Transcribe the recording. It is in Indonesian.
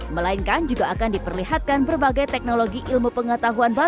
melainkan juga akan diperlihatkan berbagai teknologi ilmu pengetahuan